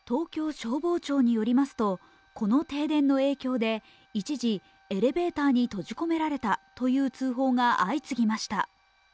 東京消防庁によりますとこの停電の影響で一時、エレベーターに閉じ込められたという通報が相次ぎました。